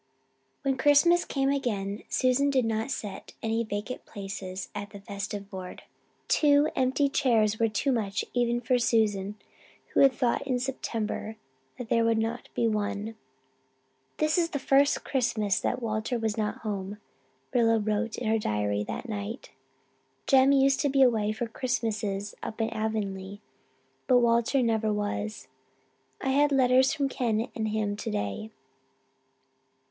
When Christmas came again Susan did not set any vacant places at the festive board. Two empty chairs were too much even for Susan who had thought in September that there would not be one. "This is the first Christmas that Walter was not home," Rilla wrote in her diary that night. "Jem used to be away for Christmases up in Avonlea, but Walter never was. I had letters from Ken and him today.